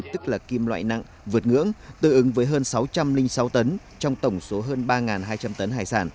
tức là kim loại nặng vượt ngưỡng tương ứng với hơn sáu trăm linh sáu tấn trong tổng số hơn ba hai trăm linh tấn hải sản